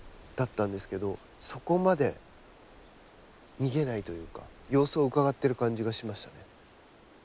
そこまで逃げないというか様子をうかがってる感じがしましたね。